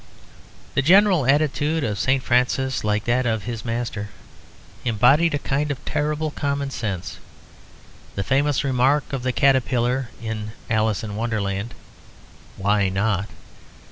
The general attitude of St. Francis, like that of his Master, embodied a kind of terrible common sense. The famous remark of the Caterpillar in "Alice in Wonderland" "Why not?"